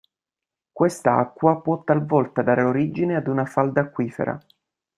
Questa acqua può talvolta dare origine ad una falda acquifera.